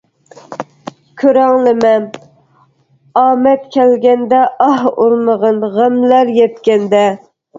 كۆرەڭلىمە ئامەت كەلگەندە، ئاھ ئۇرمىغىن غەملەر يەتكەندە.